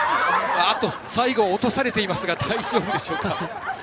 最後、落とされていますが大丈夫でしょうか。